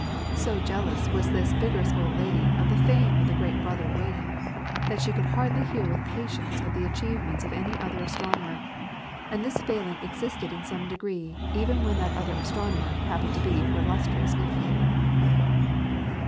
So jealous was this vigorous old lady of the fame of the great brother William, that she could hardly hear with patience of the achievements of any other astronomer, and this failing existed in some degree even when that other astronomer happened to be her illustrious nephew.